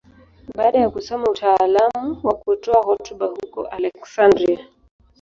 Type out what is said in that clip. Baada ya kusoma utaalamu wa kutoa hotuba huko Aleksandria.